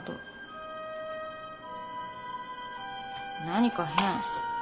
何か変。